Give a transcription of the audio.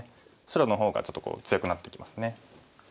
白の方がちょっと強くなってきますね。